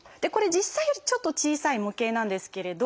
実際よりちょっと小さい模型なんですけれど。